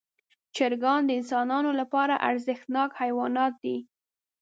چرګان د انسانانو لپاره ارزښتناک حیوانات دي.